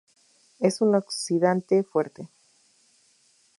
Es un oxidante fuerte.